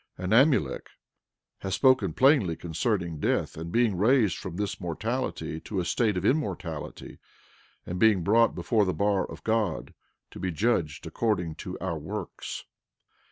12:12 And Amulek hath spoken plainly concerning death, and being raised from this mortality to a state of immortality, and being brought before the bar of God, to be judged according to our works.